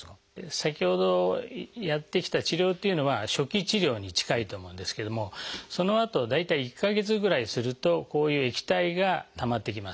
先ほどやってきた治療っていうのは初期治療に近いと思うんですけれどもそのあと大体１か月ぐらいするとこういう液体がたまってきます。